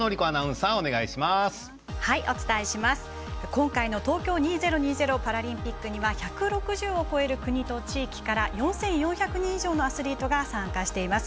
今回の東京２０２０パラリンピックの１６０を超える国と地域から４４００人以上のアスリートが参加しています。